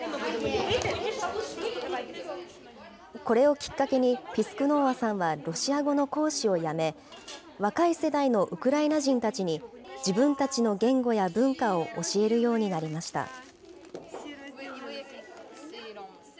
これをきっかけにピスクノーワさんはロシア語の講師を辞め、若い世代のウクライナ人たちに、自分たちの言語や文化を教えるようになりました。